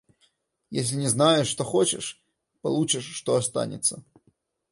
Если не знаешь, что хочешь, получишь, что останется.